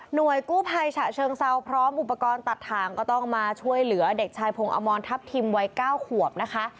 โดยกู้ภัยฉะเชิงเซาพร้อมอุปกรณ์ตัดทางก็ต้องมาช่วยเหลือเด็กชายพงอมรทัพทิมวัย๙ขวบนะคะ